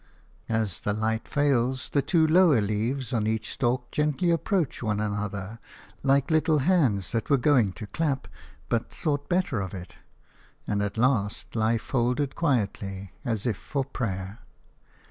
As the light fails, the two lower leaves on each stalk gently approach one another – like little hands that were going to clap, but thought better of it – and at last lie folded quietly, as if for prayer.